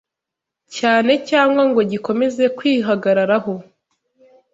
cyane cyangwa ngo gikomeze kwihagararaho